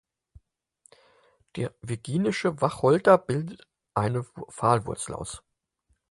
Der Virginische Wacholder bildet eine Pfahlwurzel aus.